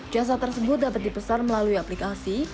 jasa tersebut dapat dipesan melalui aplikasi